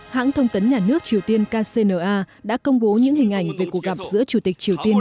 hãng thông tấn nhà nước triều tiên kcna đã công bố những hình ảnh về cuộc gặp giữa chủ tịch triều tiên